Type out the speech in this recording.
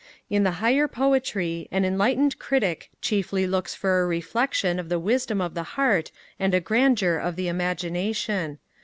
In the higher poetry, an enlightened Critic chiefly looks for a reflection of the wisdom of the heart and the grandeur of the imagination.